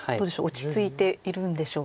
落ち着いているんでしょうか？